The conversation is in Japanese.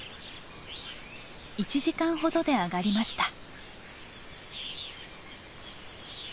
１時間ほどで上がりました。